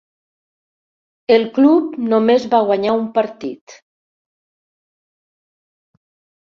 El club només va guanyar un partit.